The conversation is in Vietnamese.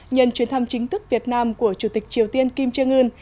nhân chuyến thăm chính thức việt nam của chủ tịch triều tiên kim trương ưn